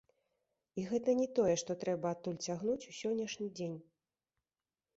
І гэта не тое, што трэба адтуль цягнуць у сённяшні дзень.